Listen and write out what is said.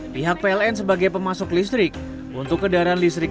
pihak pln sebagai pemasok listrik untuk kendaraan listrik